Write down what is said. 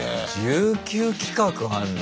１９企画あるの。